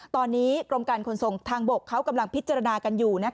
ตอนนี้กรมการขนส่งทางบกเขากำลังพิจารณากันอยู่